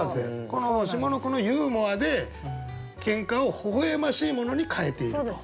この下の句のユーモアでケンカをほほ笑ましいものに変えていると。